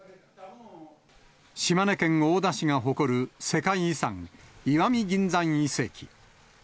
島根県大田市が誇る世界遺産、石見銀山遺跡。